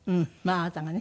あなたがね。